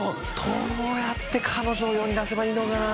どうやって彼女を世に出せばいいのかな